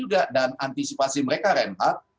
dan antisipasi mereka renhad